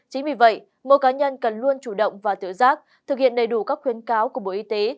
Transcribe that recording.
chính vì vậy mỗi cá nhân cần luôn chủ động và tự giác thực hiện đầy đủ các khuyến cáo của bộ y tế